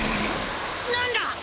何だ！？